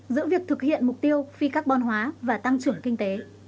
giữa việc thực hiện mục tiêu phi carbon hóa và tăng trưởng kinh tế